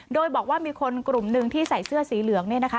โดยบอกว่ามีคนกลุ่มหนึ่งที่ใส่เสื้อสีเหลืองเนี่ยนะคะ